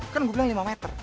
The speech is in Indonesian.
kan gua bilang lima meter